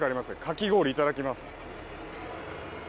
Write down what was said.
かき氷いただきます。